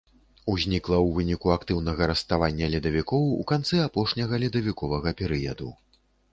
Узнікла ў выніку актыўнага раставання ледавікоў у канцы апошняга ледавіковага перыяду.